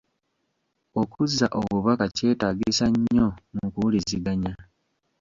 Okuzza obubaka kyetaagisa nnyo mu kuwuliziganya.